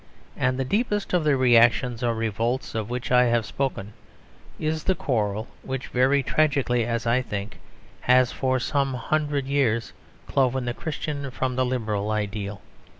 And the deepest of the reactions or revolts of which I have spoken is the quarrel which (very tragically as I think) has for some hundred years cloven the Christian from the Liberal ideal.